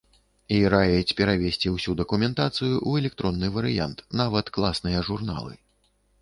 І раіць перавесці ўсю дакументацыю ў электронны варыянт, нават класныя журналы.